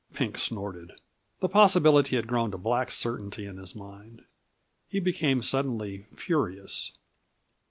Pink snorted. The possibility had grown to black certainty in his mind. He became suddenly furious.